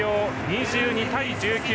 ２２対１９。